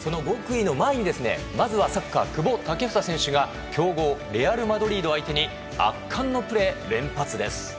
その極意の前にまずはサッカー、久保建英選手が強豪レアル・マドリード相手に圧巻のプレー連発です。